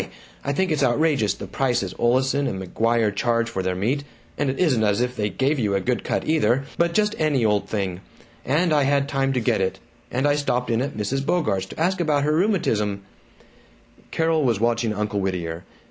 I think it's outrageous, the prices Oleson & McGuire charge for their meat, and it isn't as if they gave you a good cut either but just any old thing, and I had time to get it, and I stopped in at Mrs. Bogart's to ask about her rheumatism " Carol was watching Uncle Whittier.